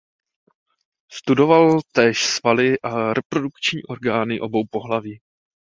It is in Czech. Studoval též svaly a reprodukční orgány obou pohlaví.